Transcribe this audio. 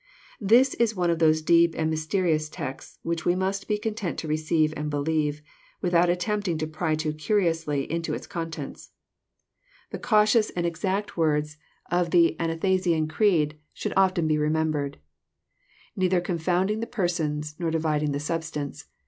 This is one of those deep and mysterious texts which we must be content to receive and believe, without attempting to pry too curiously into its contents. The cautious and exact 214 EXPOSITORY THOUGHTS. words of the Athanaslan Creed should be often remembered t *< Neither confoonding the Persons, nor dividing the substance.